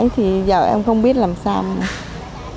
thì giờ em không biết làm sao mà